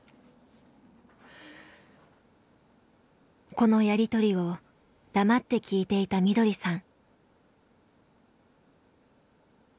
このやり取りを黙って聞いていたみどりさん。